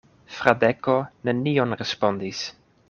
Fradeko nenion respondis.